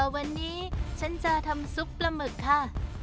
วันนี้ฉันจะทำซุปปลาหมึกค่ะ